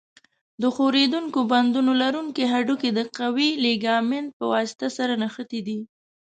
د ښورېدونکو بندونو لرونکي هډوکي د قوي لیګامنت په وسیله سره نښتي دي.